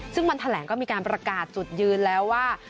ซึ่งวันแถลงก็มีการประกาศจุดยืนแล้วว่า